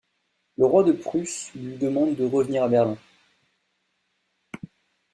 Le roi de Prusse lui demande de revenir à Berlin.